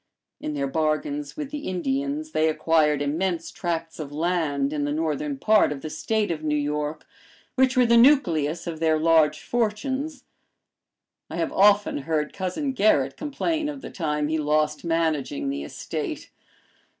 In their bargains with the Indians they acquired immense tracts of land in the Northern part of the State of New York, which were the nucleus of their large fortunes. I have often heard Cousin Gerrit complain of the time he lost managing the estate.